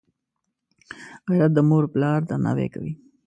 غیرت د موروپلار درناوی کوي